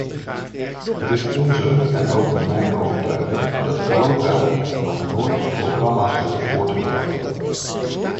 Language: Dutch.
Het is onze en ook mijn overtuiging dat quota nog nooit programma's hebben voortgebracht.